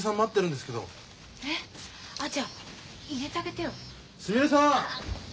すみれさん。